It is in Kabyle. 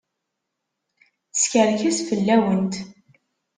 Teskerkes fell-awent.